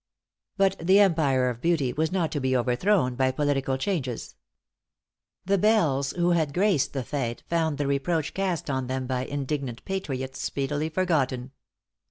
But the empire of beauty was not to be overthrown by political changes. The belles who had graced the fête found the reproach cast on them by indignant patriots speedily forgotten.